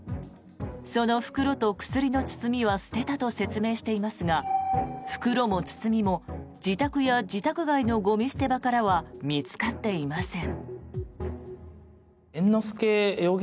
その袋と薬の包みは捨てたと説明していますが袋も包みも自宅や自宅外のゴミ捨て場からは見つかっていません。